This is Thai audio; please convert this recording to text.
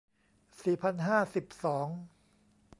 สี่พันห้าสิบสอง